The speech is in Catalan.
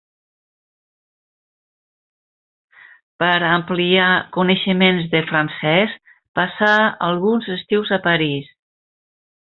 Per ampliar coneixements de francès passà alguns estius a París.